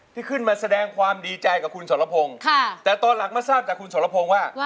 ที่ขึ้นมาแสดงความดีใจกับคุณสรพงศ์แต่ตอนหลังมาทราบจากคุณสรพงศ์ว่า